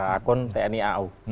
akun tni au